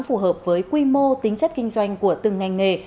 phù hợp với quy mô tính chất kinh doanh của từng ngành nghề